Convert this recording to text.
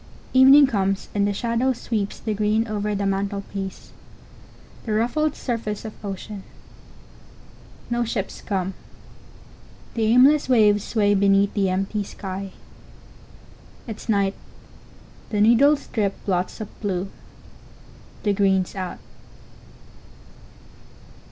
Evening comes, and the shadow sweeps the green over the mantelpiece; the ruffled surface of ocean. No ships come; the aimless waves sway beneath the empty sky. It's night; the needles drip blots of blue. The green's out.